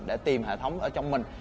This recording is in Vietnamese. để tìm hệ thống ở trong mình